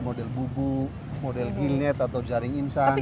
model bubu model gilnet atau jaring insang gitu